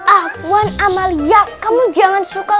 afwan amalia kamu jangan suka